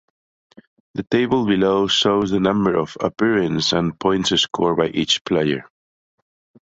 The table below shows the number of appearances and points scored by each player.